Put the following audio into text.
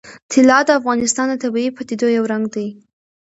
طلا د افغانستان د طبیعي پدیدو یو رنګ دی.